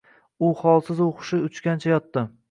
U holsizu hushi uchgancha yotdi.